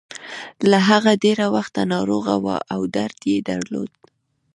هغه له ډېره وخته ناروغه وه او درد يې درلود.